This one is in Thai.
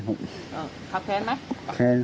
ชาวบ้านญาติโปรดแค้นไปดูภาพบรรยากาศขณะ